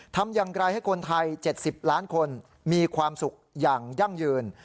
ทำอย่างไรให้คนไทย๗๐ล้านคนมีความสุขอย่างยั่งยืน